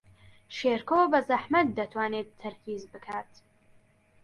شێرکۆ بەزەحمەت دەتوانێت تەرکیز بکات.